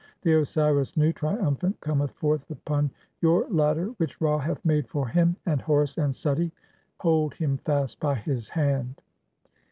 The Osiris Nu, trium "phant, cometh forth upon your ladder which Ra hath made for "him, (35) and Horus and Suti hold him fast by his hand."